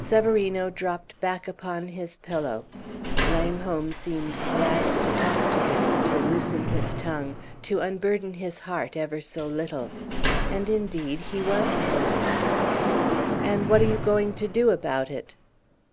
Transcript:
Severino dropped back upon his pillow. Langholm seemed glad to talk to him, to loosen his tongue, to unburden his heart ever so little. And, indeed, he was glad. "And what are you going to do about it?"